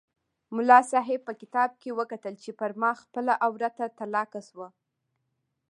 ملا صاحب په کتاب کې وکتل چې پر ما خپله عورته طلاقه شوه.